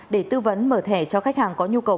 để tư vấn mở thẻ cho khách hàng có nhu cầu